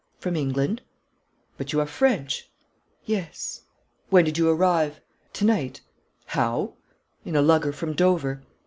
'From England.' 'But you are French?' 'Yes.' 'When did you arrive?' 'To night.' 'How?' 'In a lugger from Dover.'